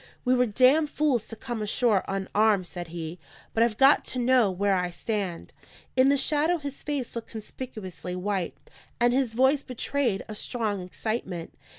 "We were damned fools to come ashore unarmed," said he. "But I've got to know where I stand." In the shadow, his face looked conspicuously white, and his voice betrayed a strong excitement.